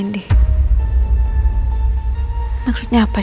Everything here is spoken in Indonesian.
ini maksudnya apa sih